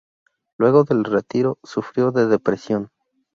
Luego del retiro sufrió de depresión.